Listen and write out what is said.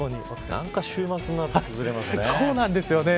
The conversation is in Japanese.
なんか週末になると崩れますね。